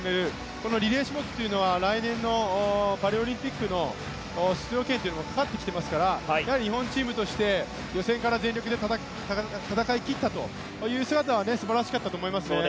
このリレー種目というのは来年のパリオリンピックの出場権というのもかかってきていますから日本チームとして予選から全力で戦い切ったという姿は素晴らしかったと思いますね。